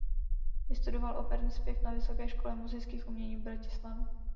Vystudoval operní zpěv na Vysoké škole múzických umění v Bratislavě.